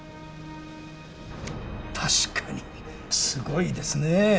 確かにすごいですねぇ。